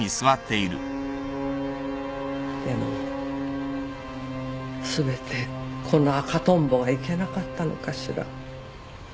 でも全てこの赤トンボがいけなかったのかしら。